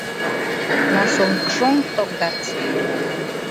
Na some trong tok dat.